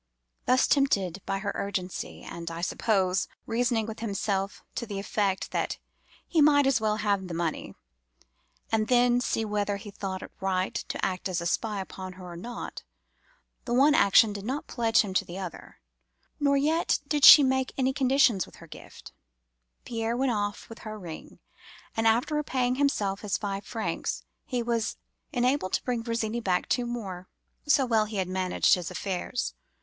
"Thus tempted by her urgency, and, I suppose, reasoning with himself to the effect that he might as well have the money, and then see whether he thought it right to act as a spy upon her or not—the one action did not pledge him to the other, nor yet did she make any conditions with her gift—Pierre went off with her ring; and, after repaying himself his five francs, he was enabled to bring Virginie back two more, so well had he managed his affairs.